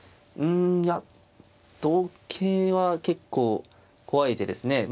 うんいや同桂は結構怖い手ですね。